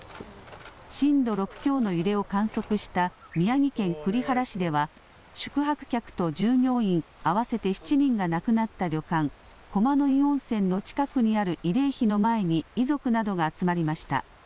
震度６強の揺れを観測した宮城県栗原市では、宿泊客と従業員合わせて７人が亡くなった旅館、駒の湯温泉の近くにある慰霊碑の前に遺族などが集まりました。